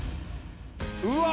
うわ！